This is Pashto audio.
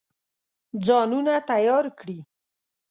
ځانونه تیار کړي.